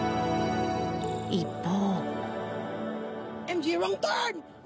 一方。